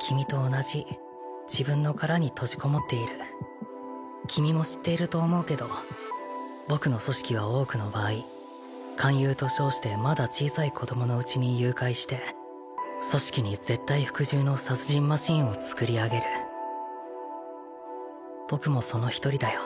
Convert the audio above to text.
君と同じ自分の殻に閉じこもっている君も知っていると思うけど僕の組織は多くの場合勧誘と称してまだ小さい子供のうちに誘拐して組織に絶対服従の殺人マシーンを作り上げる僕もその一人だよ